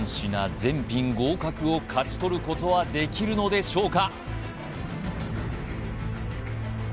全品合格を勝ち取ることはできるのでしょうか？